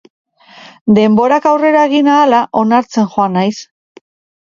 Denborak aurrera egin ahala onartzen joango naiz.